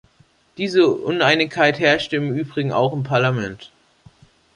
Diese Uneinigkeit herrschte im übrigen auch im Parlament.